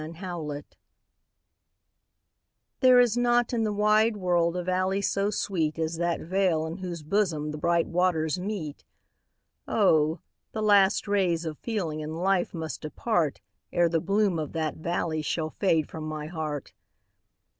There is not in the wide world a valley so sweet As that vale in whose bosom the bright waters meet; Oh! the last rays of feeling and life must depart, Ere the bloom of that valley shall fade from my heart.